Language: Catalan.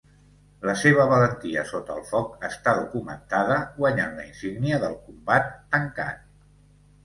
La seva valentia sota el foc està documentada, guanyant la Insígnia del Combat Tancat.